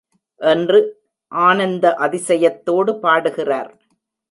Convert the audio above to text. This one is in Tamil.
என்று ஆனந்த அதிசயத்தோடு பாடுகிறார்.